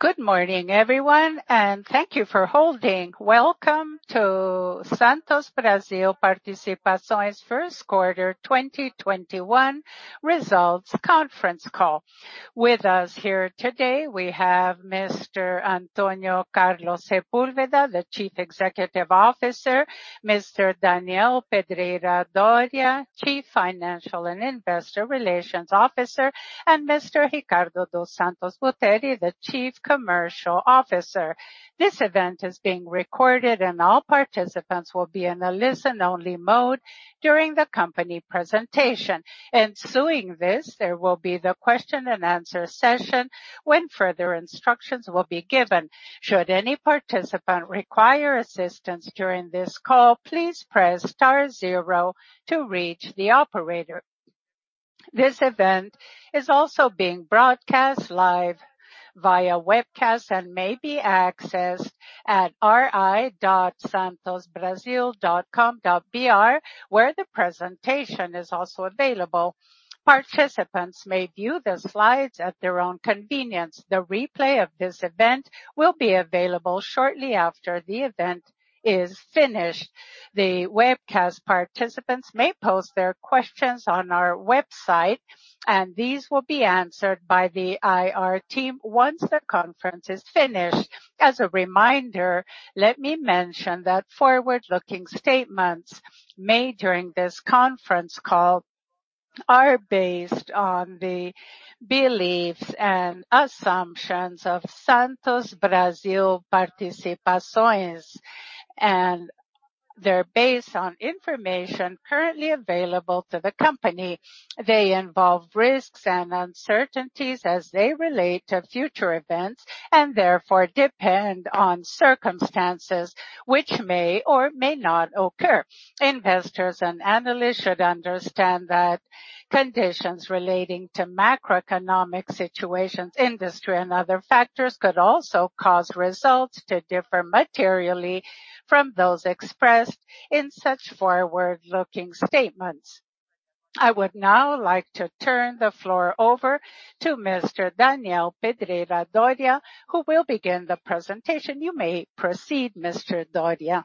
Good morning everyone, and thank you for holding. Welcome to Santos Brasil Participações first quarter 2021 results conference call. With us here today, we have Mr. Antônio Carlos Sepúlveda, the Chief Executive Officer, Mr. Daniel Pedreira Dorea, Chief Financial and Investor Relations Officer, and Mr. Ricardo dos Santos Buteri, the Chief Commercial Officer. This event is being recorded, and all participants will be in a listen-only mode during the company presentation. Ensuing this, there will be the question and answer session when further instructions will be given. Should any participant require assistance during this call, please press star zero to reach the operator. This event is also being broadcast live via webcast and may be accessed at ri.santosbrasil.com.br where the presentation is also available. Participants may view the slides at their own convenience. The replay of this event will be available shortly after the event is finished. The webcast participants may post their questions on our website, and these will be answered by the IR team once the conference is finished. As a reminder, let me mention that forward-looking statements made during this conference call are based on the beliefs and assumptions of Santos Brasil Participações, and they're based on information currently available to the company. They involve risks and uncertainties as they relate to future events, and therefore depend on circumstances which may or may not occur. Investors and analysts should understand that conditions relating to macroeconomic situations, industry, and other factors could also cause results to differ materially from those expressed in such forward-looking statements. I would now like to turn the floor over to Mr. Daniel Pedreira Dorea, who will begin the presentation. You may proceed, Mr. Dorea.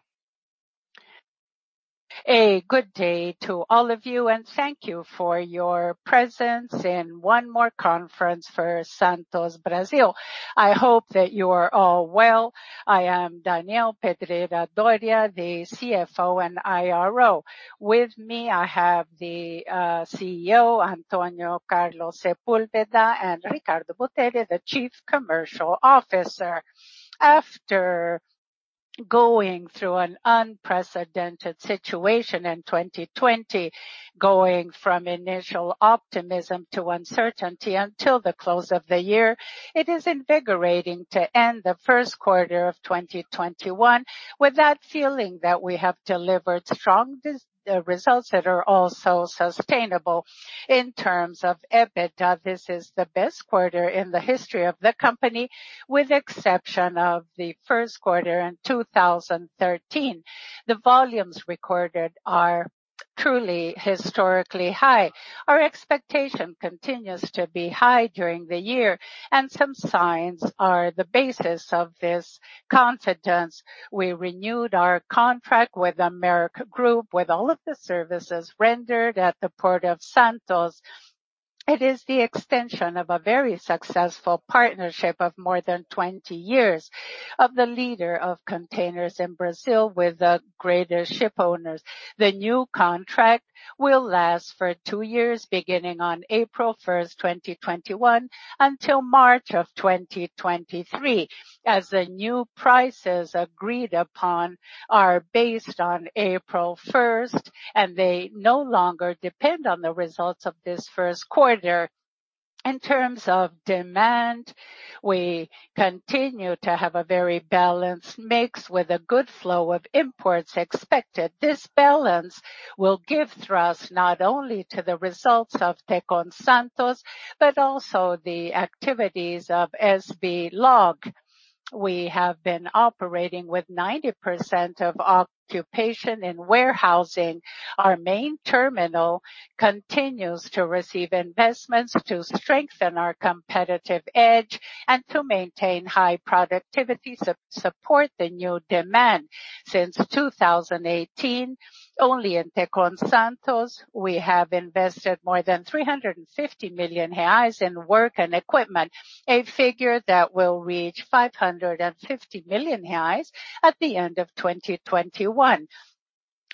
A good day to all of you, thank you for your presence in one more conference for Santos Brasil. I hope that you are all well. I am Daniel Pedreira Dorea, the CFO and IRO. With me, I have the CEO, Antônio Carlos Sepúlveda, and Ricardo dos Santos Buteri, the Chief Commercial Officer. After going through an unprecedented situation in 2020, going from initial optimism to uncertainty until the close of the year, it is invigorating to end the first quarter of 2021 with that feeling that we have delivered strong results that are also sustainable. In terms of EBITDA, this is the best quarter in the history of the company, with exception of the first quarter in 2013. The volumes recorded are truly historically high. Our expectation continues to be high during the year, and some signs are the basis of this confidence. We renewed our contract with America Group, with all of the services rendered at the Port of Santos. It is the extension of a very successful partnership of more than 20 years of the leader of containers in Brazil with the greatest ship owners. The new contract will last for two years, beginning on April 1st, 2021, until March of 2023, as the new prices agreed upon are based on April 1st, and they no longer depend on the results of this first quarter. In terms of demand, we continue to have a very balanced mix with a good flow of imports expected. This balance will give thrust not only to the results of Tecon Santos, but also the activities of SB Log. We have been operating with 90% of occupation in warehousing. Our main terminal continues to receive investments to strengthen our competitive edge and to maintain high productivity to support the new demand. Since 2018, only in Tecon Santos, we have invested more than 350 million reais in work and equipment, a figure that will reach 550 million reais at the end of 2021.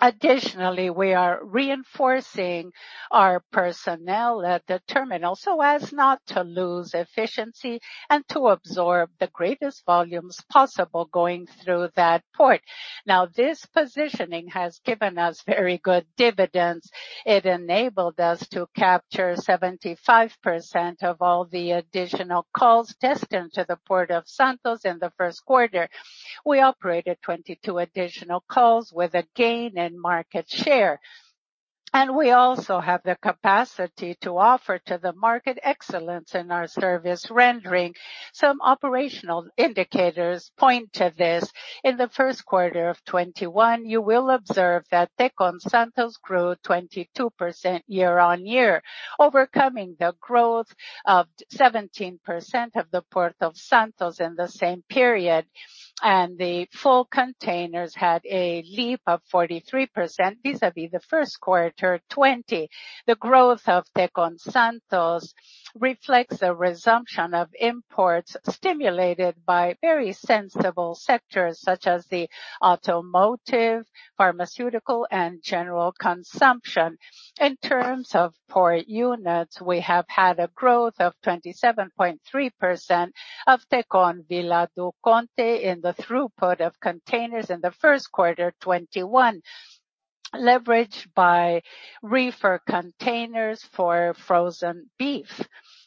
We are reinforcing our personnel at the terminal so as not to lose efficiency and to absorb the greatest volumes possible going through that port. This positioning has given us very good dividends. It enabled us to capture 75% of all the additional calls destined to the Port of Santos in the first quarter. We operated 22 additional calls with a gain in market share. We also have the capacity to offer to the market excellence in our service rendering. Some operational indicators point to this. In the first quarter of 2021, you will observe that Tecon Santos grew 22% year-on-year, overcoming the growth of 17% of the Port of Santos in the same period. The full containers had a leap of 43% vis-à-vis the first quarter 2020. The growth of Tecon Santos reflects a resumption of imports stimulated by very sensible sectors such as the automotive, pharmaceutical, and general consumption. In terms of port units, we have had a growth of 27.3% of Tecon Vila do Conde in the throughput of containers in the first quarter 2021, leveraged by reefer containers for frozen beef.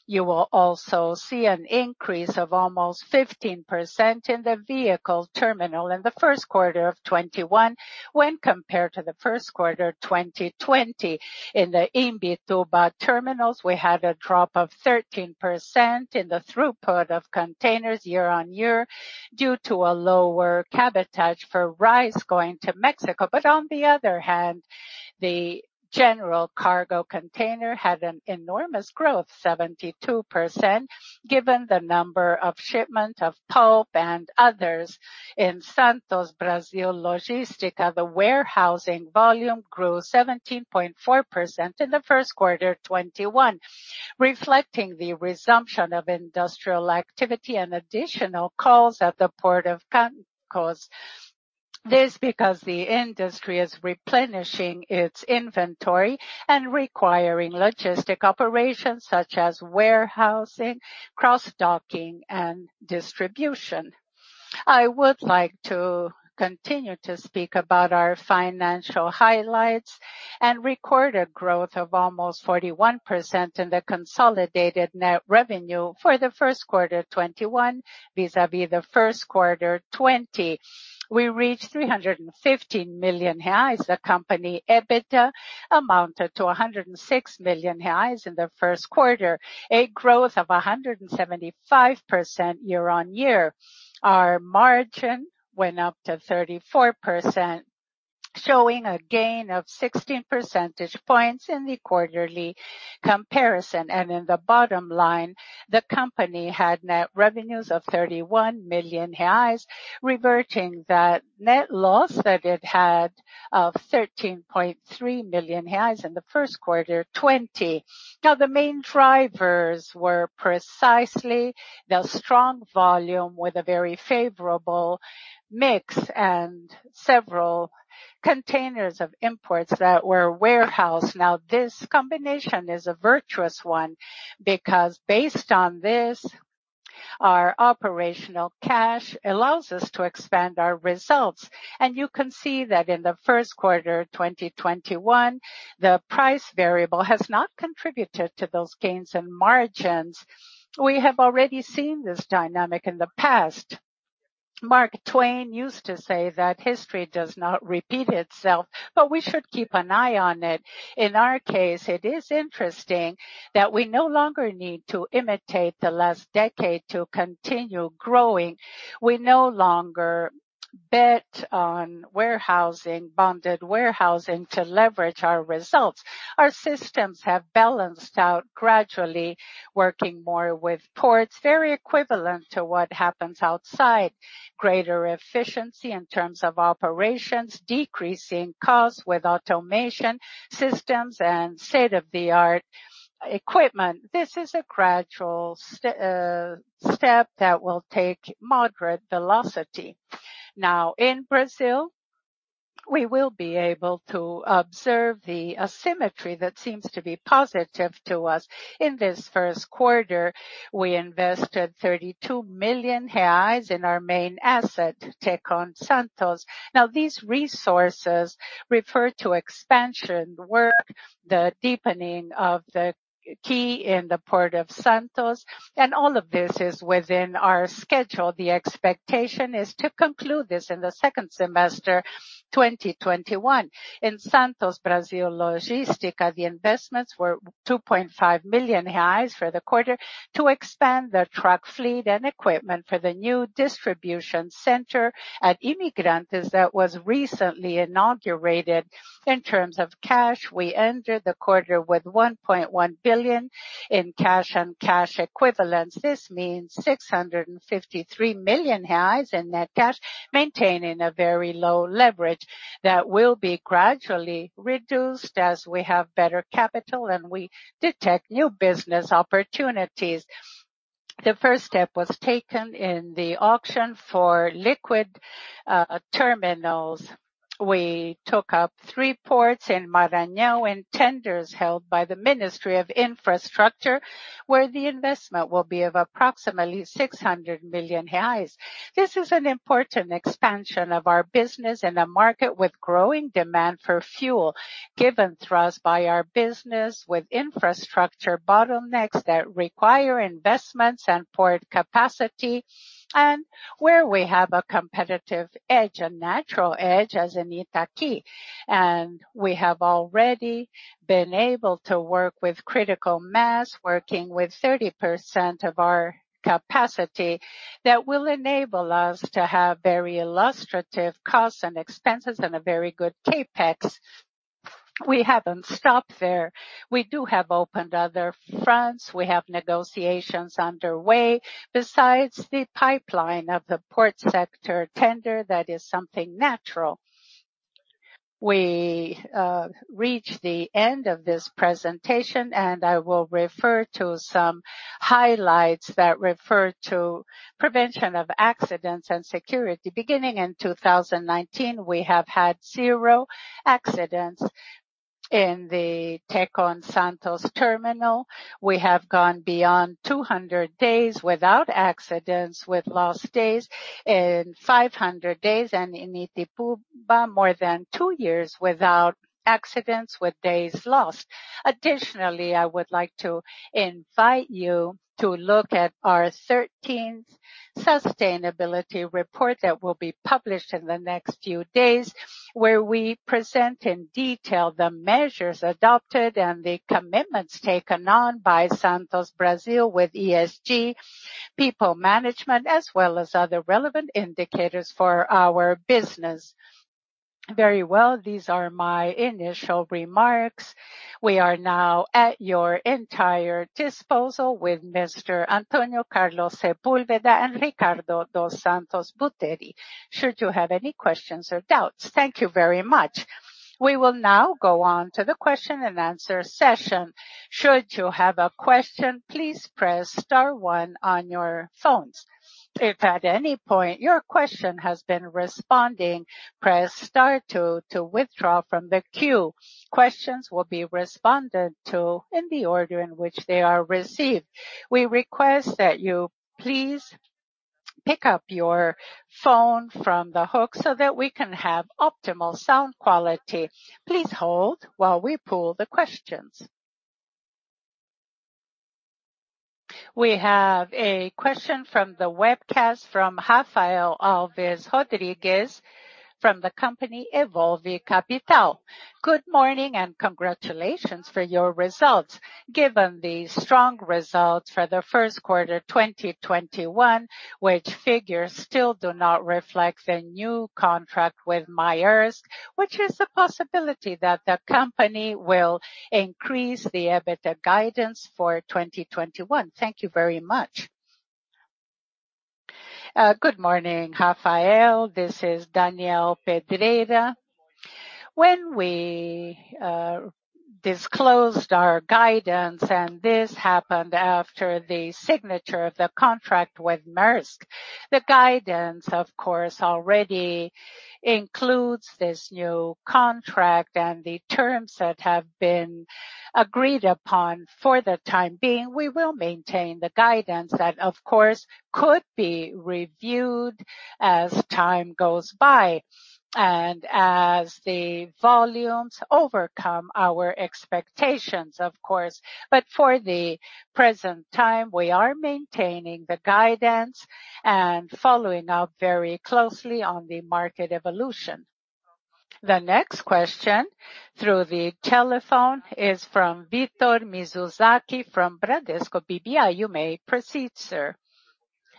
You will also see an increase of almost 15% in the Vehicle Terminal in the first quarter of 2021 when compared to the first quarter 2020. In the Imbituba terminals, we had a drop of 13% in the throughput of containers year-on-year due to a lower cabotage for rice going to Mexico. On the other hand, the general cargo container had an enormous growth, 72%, given the number of shipment of pulp and others. In Santos Brasil Logística, the warehousing volume grew 17.4% in the first quarter 2021, reflecting the resumption of industrial activity and additional calls at the Port of Santos. This is because the industry is replenishing its inventory and requiring logistic operations such as warehousing, cross-docking, and distribution. I would like to continue to speak about our financial highlights and record a growth of almost 41% in the consolidated net revenue for the first quarter 2021 vis-à-vis the first quarter 2020. We reached 315 million reais. The company EBITDA amounted to 106 million reais in the first quarter, a growth of 175% year-on-year. Our margin went up to 34%, showing a gain of 16 percentage points in the quarterly comparison. In the bottom line, the company had net revenues of 31 million reais, reverting that net loss that it had of 13.3 million reais in the first quarter 2020. Now, the main drivers were precisely the strong volume with a very favorable mix and several containers of imports that were warehoused. Now, this combination is a virtuous one because based on this, our operational cash allows us to expand our results. You can see that in the first quarter 2021, the price variable has not contributed to those gains and margins. We have already seen this dynamic in the past. Mark Twain used to say that history does not repeat itself, but we should keep an eye on it. In our case, it is interesting that we no longer need to imitate the last decade to continue growing. We no longer bet on warehousing, bonded warehousing to leverage our results. Our systems have balanced out gradually, working more with ports, very equivalent to what happens outside. Greater efficiency in terms of operations, decreasing costs with automation systems and state-of-the-art equipment. This is a gradual step that will take moderate velocity. In Brazil, we will be able to observe the asymmetry that seems to be positive to us. In this first quarter, we invested 32 million reais in our main asset, Tecon Santos. These resources refer to expansion work, the deepening of the key in the Port of Santos, and all of this is within our schedule. The expectation is to conclude this in the second semester 2021. In Santos Brasil Logística, the investments were 2.5 million reais for the quarter to expand the truck fleet and equipment for the new distribution center at Imigrantes that was recently inaugurated. In terms of cash, we entered the quarter with 1.1 billion in cash and cash equivalents. This means 653 million reais in net cash, maintaining a very low leverage that will be gradually reduced as we have better capital and we detect new business opportunities. The first step was taken in the auction for Liquid Bulk Terminals. We took up three ports in Maranhão in tenders held by the Ministry of Infrastructure, where the investment will be of approximately 600 million reais. This is an important expansion of our business in a market with growing demand for fuel, given thrust by our business with infrastructure bottlenecks that require investments and port capacity, and where we have a competitive edge, a natural edge as in Itaquí. We have already been able to work with critical mass, working with 30% of our capacity that will enable us to have very illustrative costs and expenses and a very good CapEx. We haven't stopped there. We do have opened other fronts. We have negotiations underway besides the pipeline of the port sector tender, that is something natural. We reached the end of this presentation, and I will refer to some highlights that refer to prevention of accidents and security. Beginning in 2019, we have had zero accidents in the Tecon Santos terminal. We have gone beyond 200 days without accidents with lost days in 500 days, and in Itapoá more than two years without accidents with days lost. Additionally, I would like to invite you to look at our 13th sustainability report that will be published in the next few days, where we present in detail the measures adopted and the commitments taken on by Santos Brasil with ESG, people management, as well as other relevant indicators for our business. Very well. These are my initial remarks. We are now at your entire disposal with Mr. Antônio Carlos Sepúlveda and Ricardo dos Santos Buteri, should you have any questions or doubts. Thank you very much. We will now go on to the question-and-answer session. Should you have a question, please press star one on your phones. If at any point your question has been responded press star then two to withdraw from the queue. Questions will be responded to in the order which they are received. We request that you please pick up your phone so that we have optimal sound quality. Please hold while we pull the question. We have a question from the webcast from Rafael Alves Rodrigues from the company Evolve Capital. Good morning and congratulations for your results. Given the strong results for the Q1 2021, which figures still do not reflect the new contract with Maersk, which is the possibility that the company will increase the EBITDA guidance for 2021? Thank you very much. Good morning, Rafael. This is Daniel Pedreira. When we disclosed our guidance, and this happened after the signature of the contract with Maersk, the guidance of course already includes this new contract and the terms that have been agreed upon for the time being. We will maintain the guidance that of course could be reviewed as time goes by and as the volumes overcome our expectations, of course. For the present time, we are maintaining the guidance and following up very closely on the market evolution. The next question through the telephone is from Victor Mizusaki from Bradesco BBI. You may proceed, sir.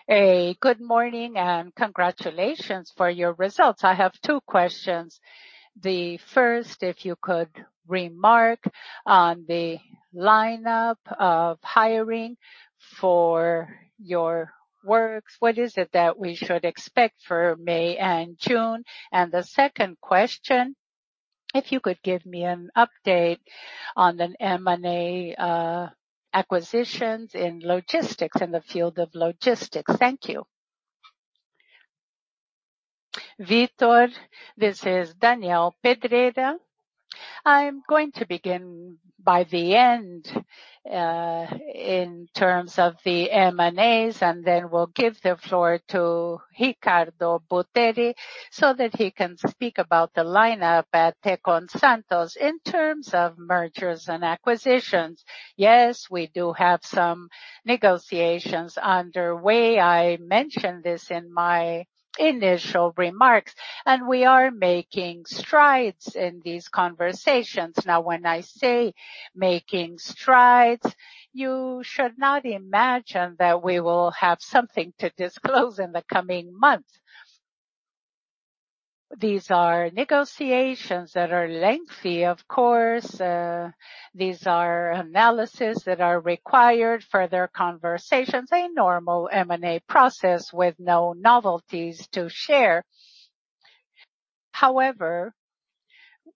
A good morning and congratulations for your results. I have two questions. The first, if you could remark on the lineup of hiring for your works, what is it that we should expect for May and June? The second question, if you could give me an update on an M&A acquisitions in logistics, in the field of logistics. Thank you. Victor, this is Daniel Pedreira. I'm going to begin by the end in terms of the M&As, and then we'll give the floor to Ricardo Buteri so that he can speak about the lineup at Tecon Santos. In terms of mergers and acquisitions, yes, we do have some negotiations underway. I mentioned this in my initial remarks, and we are making strides in these conversations. When I say making strides, you should not imagine that we will have something to disclose in the coming months. These are negotiations that are lengthy, of course. These are analysis that are required, further conversations, a normal M&A process with no novelties to share. However,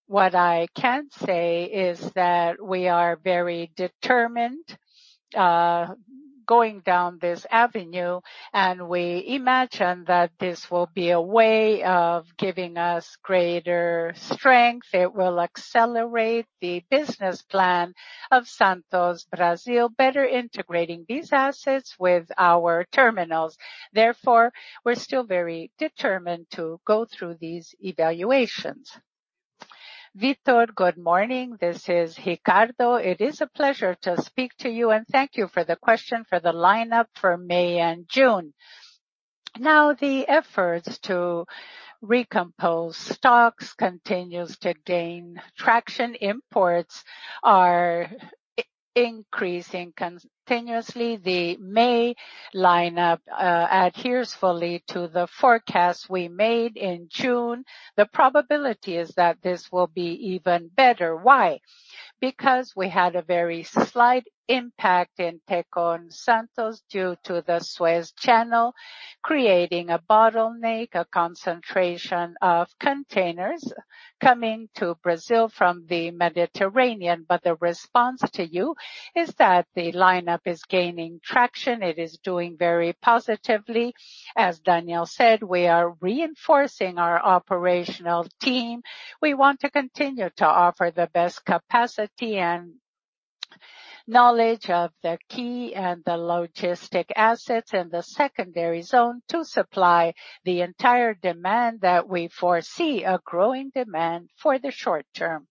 what I can say is that we are very determined going down this avenue, and we imagine that this will be a way of giving us greater strength. It will accelerate the business plan of Santos Brasil, better integrating these assets with our terminals. Therefore, we're still very determined to go through these evaluations. Victor, good morning. This is Ricardo. It is a pleasure to speak to you, and thank you for the question for the lineup for May and June. The efforts to recompose stocks continues to gain traction. Imports are increasing continuously. The May lineup adheres fully to the forecast we made in June. The probability is that this will be even better. Why? Because we had a very slight impact in Tecon Santos due to the Suez Canal creating a bottleneck, a concentration of containers coming to Brazil from the Mediterranean. The response to you is that the lineup is gaining traction. It is doing very positively. As Daniel said, we are reinforcing our operational team. We want to continue to offer the best capacity and knowledge of the quay and the logistic assets in the secondary zone to supply the entire demand that we foresee, a growing demand for the short term.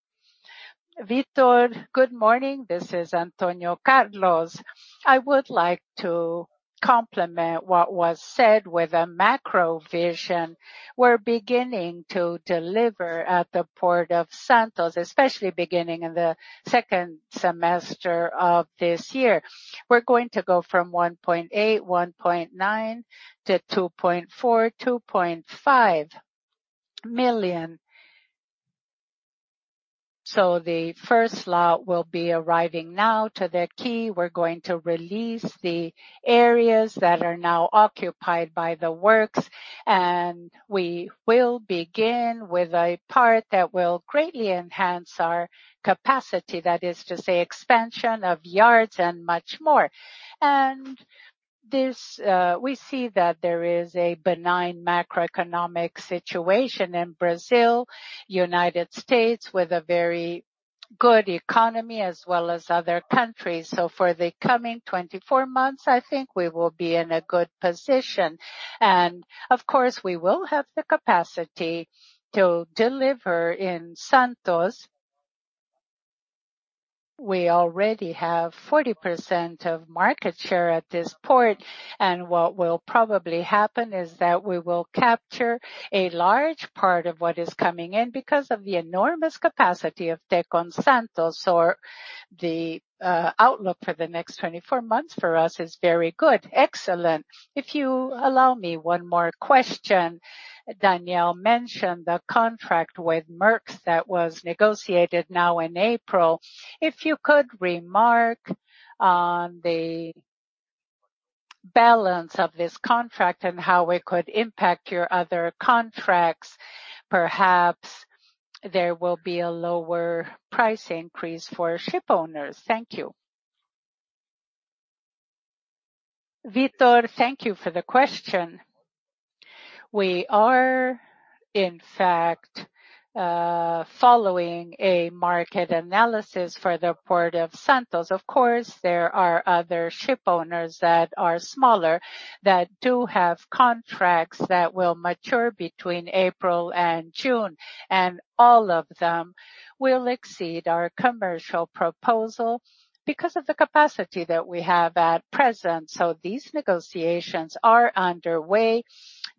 Victor, good morning. This is Antônio Carlos. I would like to complement what was said with a macro vision. We are beginning to deliver at the Port of Santos, especially beginning in the second semester of this year. We are going to go from 1.8, 1.9 to 2.4, 2.5 million TEUs. The first lot will be arriving now to the quay. We are going to release the areas that are now occupied by the works, and we will begin with a part that will greatly enhance our capacity. That is to say, expansion of yards and much more. We see that there is a benign macroeconomic situation in Brazil, U.S., with a very good economy as well as other countries. For the coming 24 months, I think we will be in a good position. Of course, we will have the capacity to deliver in Santos. We already have 40% of market share at this port. What will probably happen is that we will capture a large part of what is coming in because of the enormous capacity of Tecon Santos. The outlook for the next 24 months for us is very good. Excellent. If you allow me one more question. Daniel mentioned the contract with Maersk that was negotiated now in April. If you could remark on the balance of this contract and how it could impact your other contracts. Perhaps there will be a lower price increase for ship owners. Thank you. Victor, thank you for the question. We are in fact following a market analysis for the Port of Santos. Of course, there are other ship owners that are smaller that do have contracts that will mature between April and June, and all of them will exceed our commercial proposal because of the capacity that we have at present. These negotiations are underway.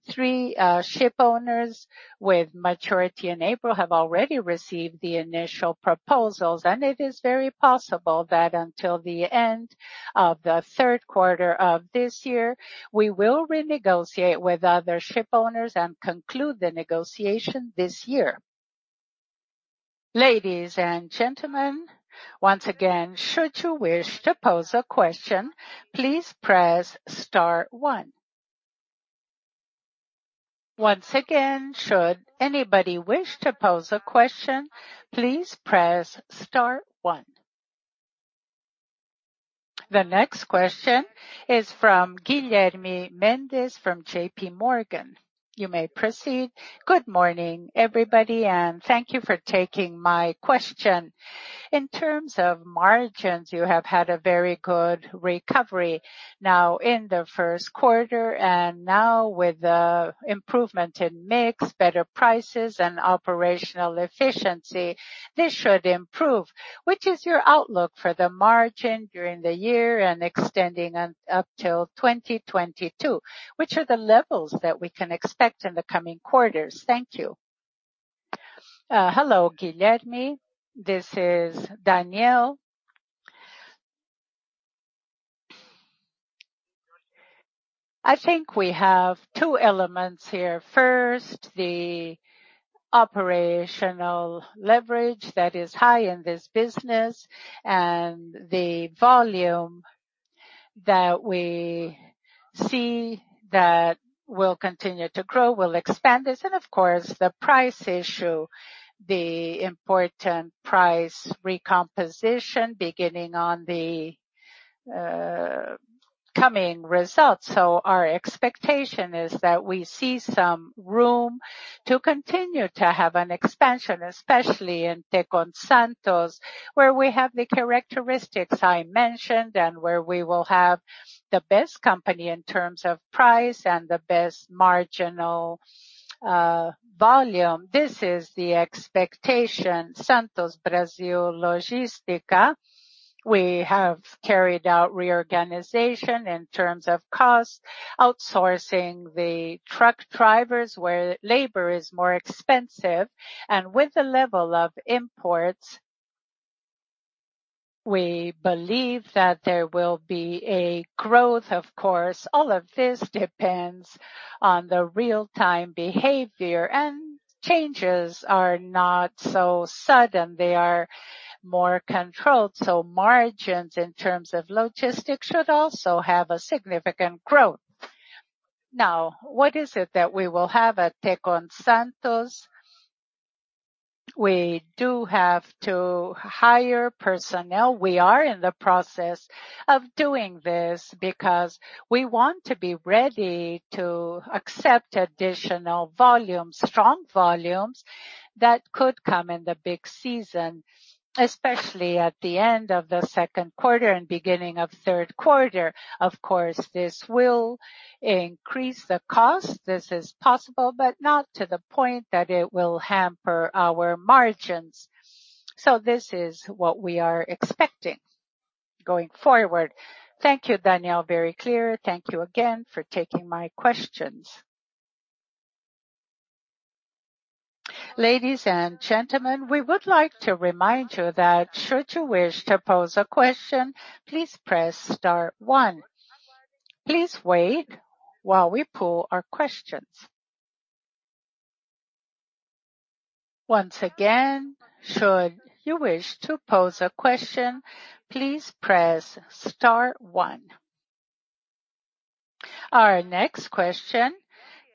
Three ship owners with maturity in April have already received the initial proposals, and it is very possible that until the end of the third quarter of this year, we will renegotiate with other ship owners and conclude the negotiation this year. Ladies and gentleman once again should wish to pose a question please press star one. Once again should anybody wish to pose a question please press star one. The next question is from Guilherme Mendes from JPMorgan. You may proceed. Good morning, everybody, and thank you for taking my question. In terms of margins, you have had a very good recovery now in the first quarter, and now with the improvement in mix, better prices and operational efficiency, this should improve. What is your outlook for the margin during the year and extending up till 2022? Which are the levels that we can expect in the coming quarters? Thank you. Hello, Guilherme. This is Daniel Pedreira Dorea. I think we have two elements here. First, the operational leverage that is high in this business and the volume that we see that will continue to grow will expand this and, of course, the price issue, the important price recomposition beginning on the coming results. Our expectation is that we see some room to continue to have an expansion, especially in Tecon Santos, where we have the characteristics I mentioned and where we will have the best company in terms of price and the best marginal volume. This is the expectation. Santos Brasil Logística, we have carried out reorganization in terms of cost, outsourcing the truck drivers where labor is more expensive and with the level of imports. We believe that there will be a growth. Of course, all of this depends on the real-time behavior, and changes are not so sudden. They are more controlled, so margins in terms of logistics should also have a significant growth. What is it that we will have at Tecon Santos? We do have to hire personnel. We are in the process of doing this because we want to be ready to accept additional volume, strong volumes that could come in the big season, especially at the end of the second quarter and beginning of third quarter. Of course, this will increase the cost. This is possible, but not to the point that it will hamper our margins. This is what we are expecting going forward. Thank you, Daniel. Very clear. Thank you again for taking my questions. Ladies and gentlemen, we would like to remind you that should you wish to pose a question, please press star one. Please wait while we pull our questions. Once again, should you wish to pose a question, please press star one. Our next question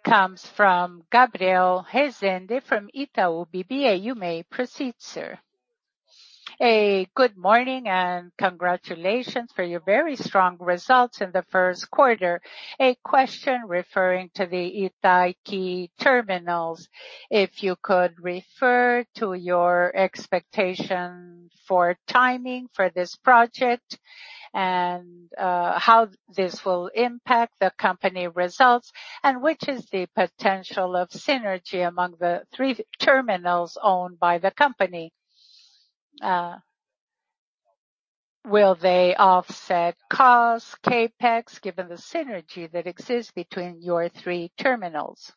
comes from Gabriel Rezende from Itaú BBA. You may proceed, sir. A good morning and congratulations for your very strong results in the first quarter. A question referring to the Itaqui terminals. If you could refer to your expectation for timing for this project and how this will impact the company results, and which is the potential of synergy among the three terminals owned by the company. Will they offset cost, CapEx, given the synergy that exists between your three terminals?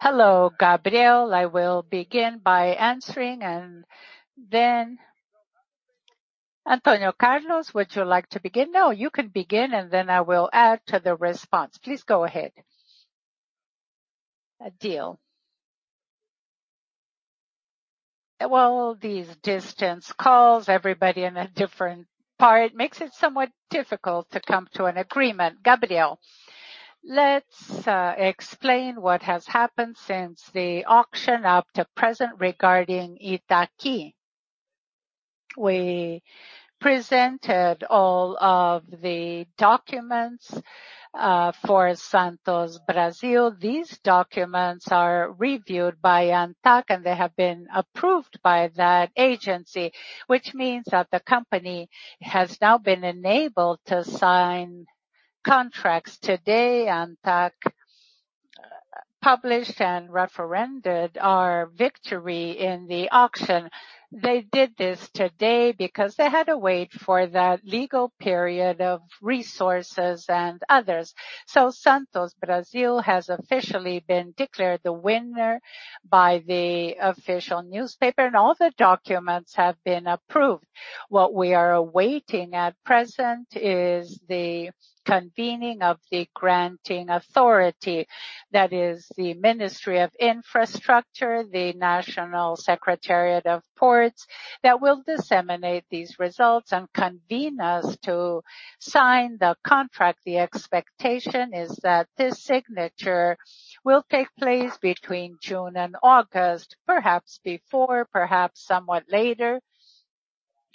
Hello, Gabriel. I will begin by answering, and then Antonio Carlos, would you like to begin? No, you can begin, and then I will add to the response. Please go ahead. A deal. Well, these distance calls, everybody in a different part makes it somewhat difficult to come to an agreement. Gabriel, let's explain what has happened since the auction up to present regarding Itaqui. We presented all of the documents for Santos Brasil. These documents are reviewed by ANTAQ, and they have been approved by that agency, which means that the company has now been enabled to sign contracts today. ANTAQ published and referenced our victory in the auction. They did this today because they had to wait for that legal period of resources and others. Santos Brasil has officially been declared the winner by the official newspaper, and all the documents have been approved. What we are awaiting at present is the convening of the granting authority. That is the Ministry of Infrastructure, the National Secretariat of Ports, that will disseminate these results and convene us to sign the contract. The expectation is that this signature will take place between June and August, perhaps before, perhaps somewhat later,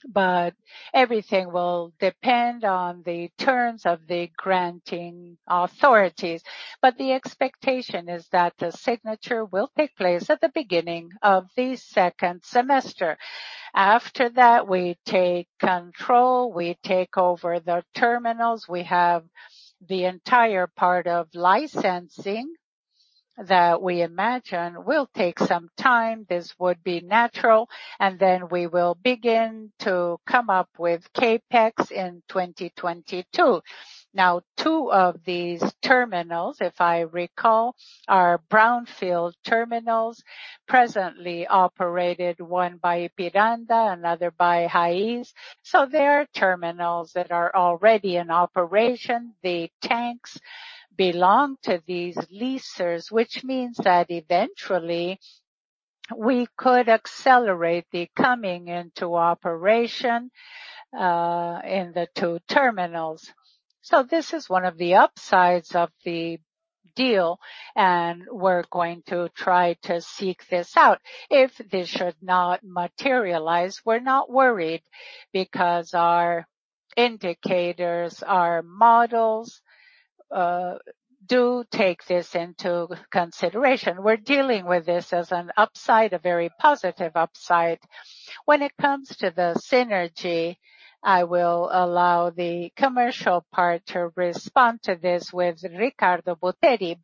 but everything will depend on the terms of the granting authorities. The expectation is that the signature will take place at the beginning of the second semester. After that, we take control, we take over the terminals. We have the entire part of licensing that we imagine will take some time. This would be natural, we will begin to come up with CapEx in 2022. Two of these terminals, if I recall, are brownfield terminals presently operated, one by Ipiranga, another by Raízen. They are terminals that are already in operation. The tanks belong to these leasers, which means that eventually we could accelerate the coming into operation in the two terminals. This is one of the upsides of the deal, and we're going to try to seek this out. If this should not materialize, we're not worried because our indicators, our models do take this into consideration. We're dealing with this as an upside, a very positive upside. When it comes to the synergy, I will allow the commercial part to respond to this with Ricardo Buteri.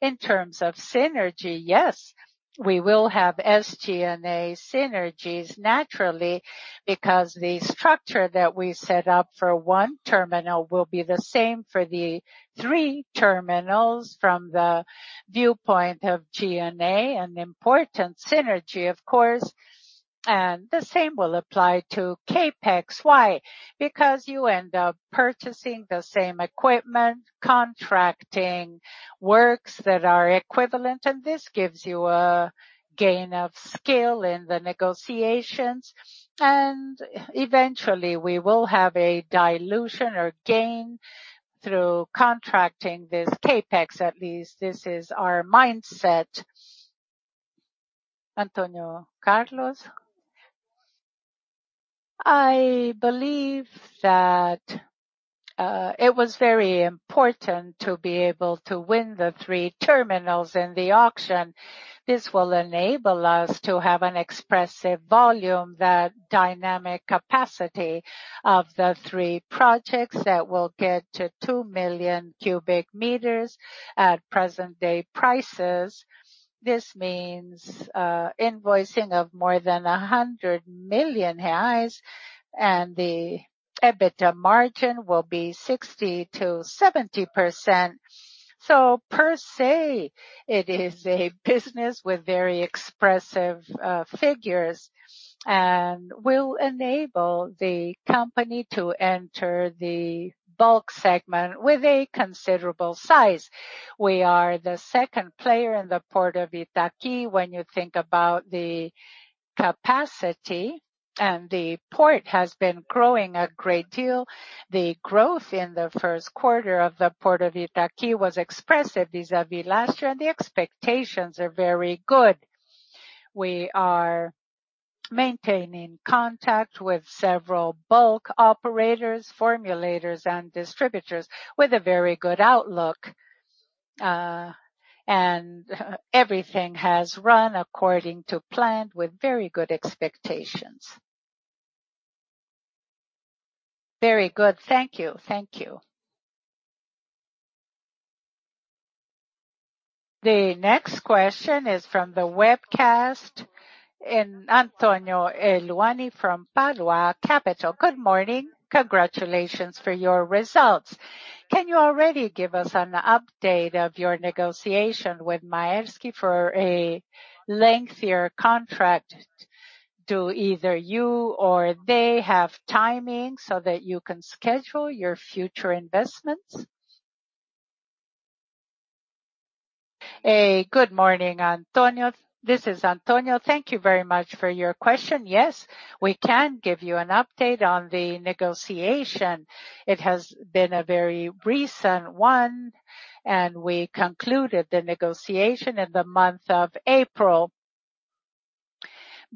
In terms of synergy, yes, we will have SG&A synergies naturally because the structure that we set up for one terminal will be the same for the three terminals from the viewpoint of G&A, an important synergy, of course. The same will apply to CapEx. Why? Because you end up purchasing the same equipment, contracting works that are equivalent, and this gives you a gain of scale in the negotiations. Eventually, we will have a dilution or gain through contracting this CapEx, at least this is our mindset. Antonio Carlos. I believe that it was very important to be able to win the three terminals in the auction. This will enable us to have an expressive volume, that dynamic capacity of the three projects that will get to 2 million cubic meters at present-day prices. This means invoicing of more than 100 million reais, and the EBITDA margin will be 60%-70%. Per se, it is a business with very expressive figures and will enable the company to enter the bulk segment with a considerable size. We are the second player in the Port of Itaqui when you think about the capacity, and the port has been growing a great deal. The growth in the first quarter of the Port of Itaqui was expressive vis-a-vis last year, and the expectations are very good. We are maintaining contact with several bulk operators, formulators, and distributors with a very good outlook. Everything has run according to plan with very good expectations. Very good. Thank you. The next question is from the webcast. Antonio Heluany from Padua Capital. Good morning. Congratulations for your results. Can you already give us an update of your negotiation with Maersk for a lengthier contract? Do either you or they have timing so that you can schedule your future investments? Good morning, Antonio. This is Antonio. Thank you very much for your question. Yes, we can give you an update on the negotiation. It has been a very recent one, and we concluded the negotiation in the month of April.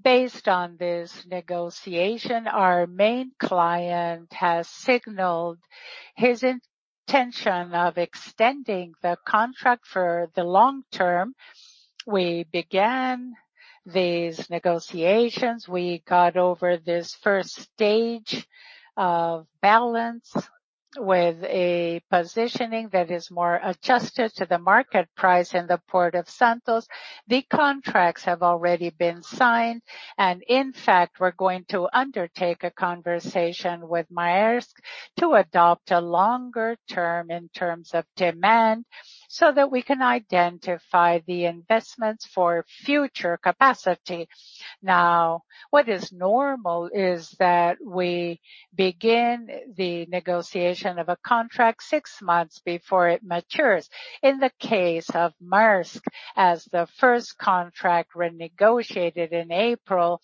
Based on this negotiation, our main client has signaled his intention of extending the contract for the long term. We began these negotiations. We got over this first stage of balance with a positioning that is more adjusted to the market price in the Port of Santos. The contracts have already been signed, and in fact, we're going to undertake a conversation with Maersk to adopt a longer term in terms of demand so that we can identify the investments for future capacity. What is normal is that we begin the negotiation of a contract six months before it matures. In the case of Maersk, as the first contract renegotiated in April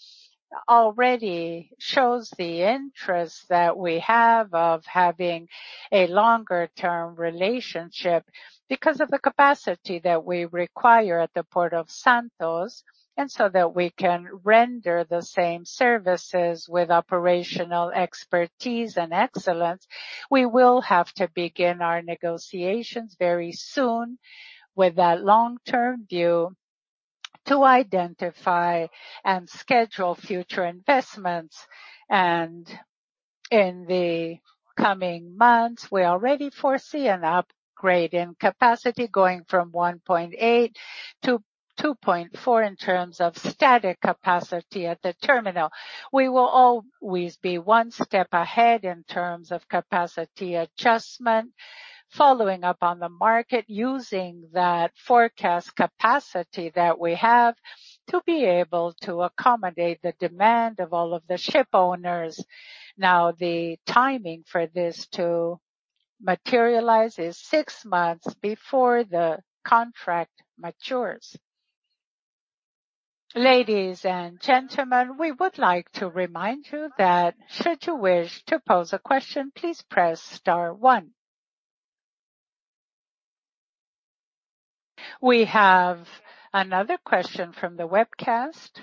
already shows the interest that we have of having a longer-term relationship because of the capacity that we require at the Port of Santos, and so that we can render the same services with operational expertise and excellence. We will have to begin our negotiations very soon with that long-term view to identify and schedule future investments. In the coming months, we already foresee an upgrade in capacity going from 1.8-2.4 in terms of static capacity at the terminal. We will always be one step ahead in terms of capacity adjustment, following up on the market, using that forecast capacity that we have to be able to accommodate the demand of all of the ship owners. Now, the timing for this to materialize is six months before the contract matures. Ladies and gentlemen we would like to remind you that if you wish to pose a question please press star one. We have another question from the webcast.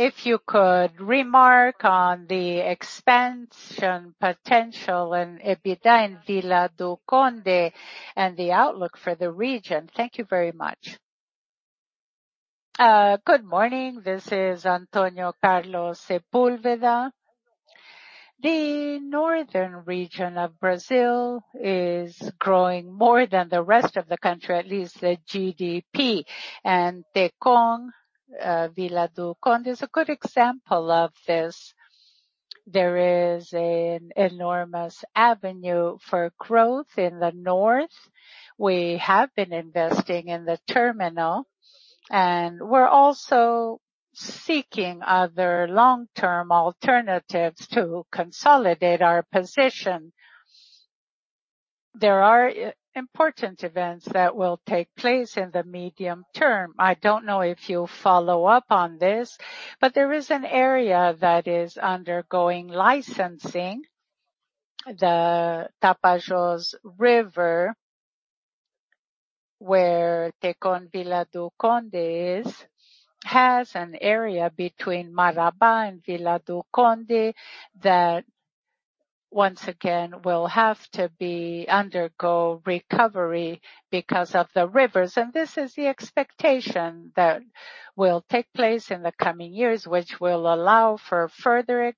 If you could remark on the expansion potential and EBITDA in Vila do Conde and the outlook for the region. Thank you very much. Good morning. This is Antônio Carlos Sepúlveda. The northern region of Brazil is growing more than the rest of the country, at least the GDP. Vila do Conde is a good example of this. There is an enormous avenue for growth in the North. We have been investing in the terminal, and we're also seeking other long-term alternatives to consolidate our position. There are important events that will take place in the medium term. I don't know if you'll follow up on this, but there is an area that is undergoing licensing. The Tapajós River, where Tecon Vila do Conde is, has an area between Marabá and Vila do Conde that, once again, will have to undergo recovery because of the rivers. This is the expectation that will take place in the coming years, which will allow for further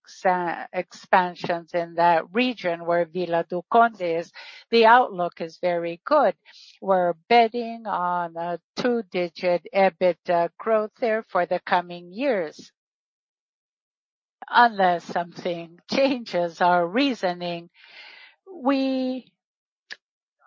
expansions in that region where Vila do Conde is. The outlook is very good. We're betting on a two-digit EBITDA growth there for the coming years, unless something changes our reasoning. We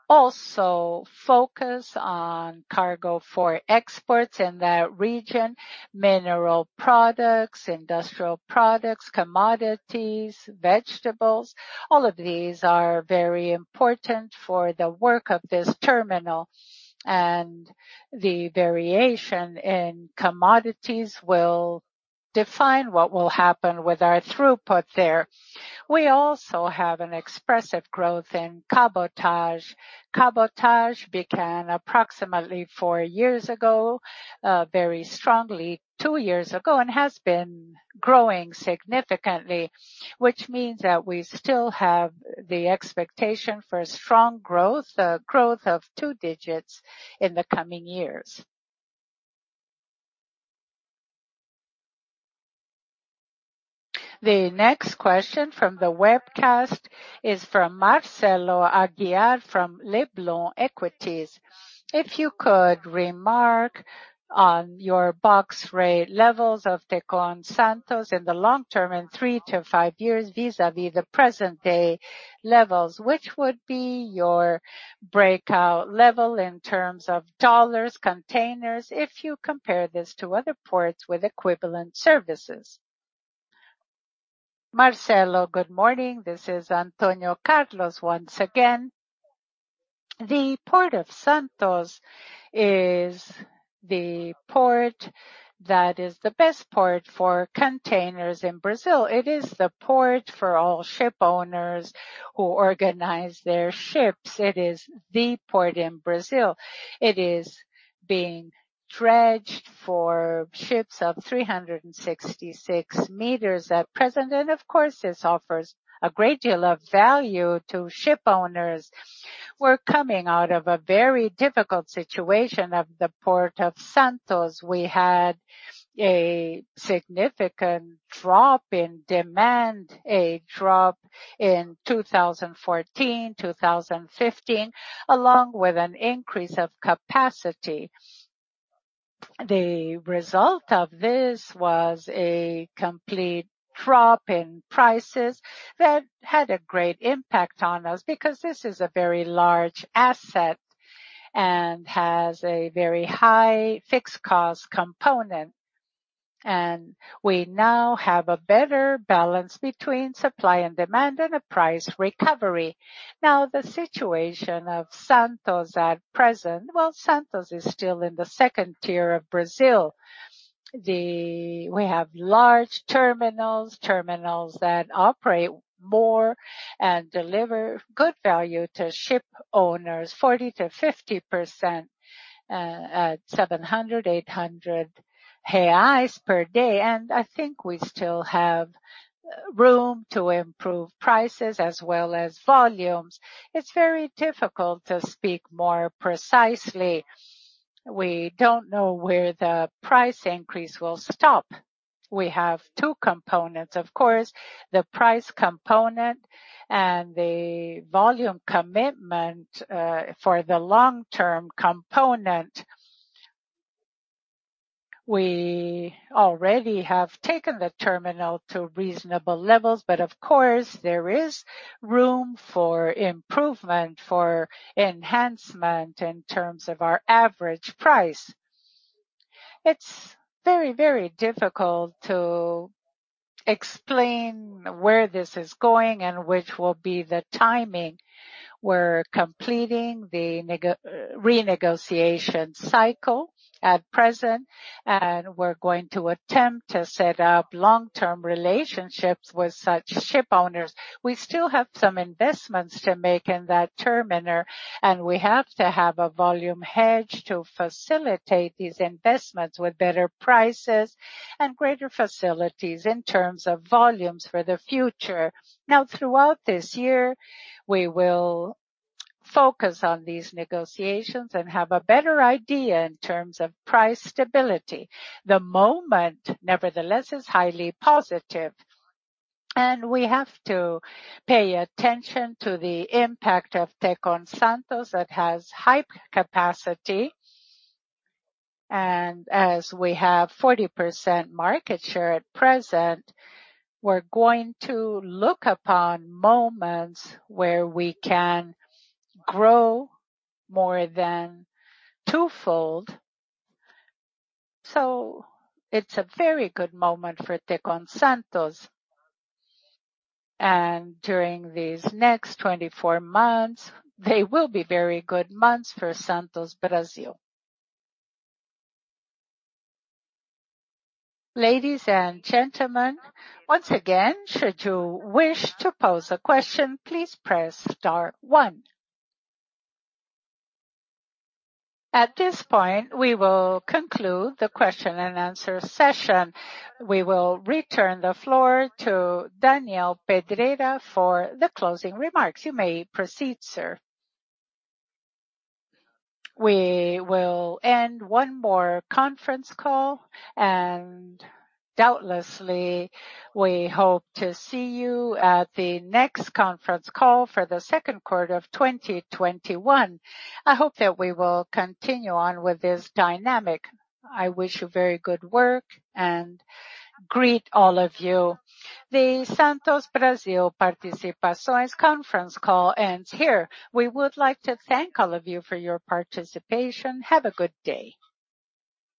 also focus on cargo for exports in that region, mineral products, industrial products, commodities, vegetables. All of these are very important for the work of this terminal. The variation in commodities will define what will happen with our throughput there. We also have an expressive growth in cabotage. Cabotage began approximately four years ago, very strongly two years ago, and has been growing significantly, which means that we still have the expectation for strong growth, a growth of two digits in the coming years. The next question from the webcast is from Marcelo Aguiar from Leblon Equities. If you could remark on your box rate levels of Tecon Santos in the long term, in three to five years, vis-à-vis the present-day levels, which would be your breakout level in terms of dollars, containers, if you compare this to other ports with equivalent services? Marcelo, good morning. This is Antônio Carlos Sepúlveda once again. The Port of Santos is the port that is the best port for containers in Brazil. It is the port for all ship owners who organize their ships. It is the port in Brazil. It is being dredged for ships of 366 meters at present, and of course, this offers a great deal of value to ship owners. We're coming out of a very difficult situation of the Port of Santos. We had a significant drop in demand, a drop in 2014, 2015, along with an increase of capacity. The result of this was a complete drop in prices that had a great impact on us because this is a very large asset and has a very high fixed cost component. We now have a better balance between supply and demand and a price recovery. The situation of Santos at present, well, Santos is still in the Tier 2 of Brazil. We have large terminals that operate more and deliver good value to ship owners, 40%-50% at 700,000-800,000 TEUs per day. I think we still have room to improve prices as well as volumes. It's very difficult to speak more precisely. We don't know where the price increase will stop. We have two components, of course, the price component and the volume commitment for the long-term component. We already have taken the terminal to reasonable levels, but of course, there is room for improvement, for enhancement in terms of our average price. It's very difficult to explain where this is going and which will be the timing. We're completing the renegotiation cycle at present, and we're going to attempt to set up long-term relationships with such ship owners. We still have some investments to make in that terminal, and we have to have a volume hedge to facilitate these investments with better prices and greater facilities in terms of volumes for the future. Throughout this year, we will focus on these negotiations and have a better idea in terms of price stability. The moment, nevertheless, is highly positive, and we have to pay attention to the impact of Tecon Santos that has high capacity. As we have 40% market share at present, we're going to look upon moments where we can grow more than twofold. It's a very good moment for Tecon Santos. During these next 24 months, they will be very good months for Santos Brasil. Ladies and gentlemen, once again, should you wish to pose a question, please press star one. At this point, we will conclude the question-and-answer session. We will return the floor to Daniel Pedreira for the closing remarks. You may proceed, sir. We will end one more conference call, and doubtlessly, we hope to see you at the next conference call for the second quarter of 2021. I hope that we will continue on with this dynamic. I wish you very good work and greet all of you. The Santos Brasil Participações conference call ends here. We would like to thank all of you for your participation. Have a good day.